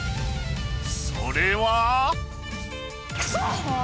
それは。